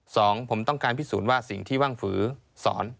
สองผมต้องการพิสูจน์ว่าสิ่งที่ว่างฝือสอน